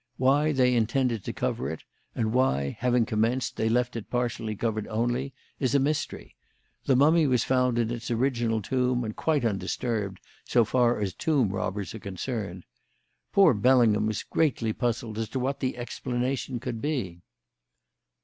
Why they intended to cover it, and why, having commenced, they left it partially covered only, is a mystery. The mummy was found in its original tomb and quite undisturbed, so far as tomb robbers are concerned. Poor Bellingham was greatly puzzled as to what the explanation could be."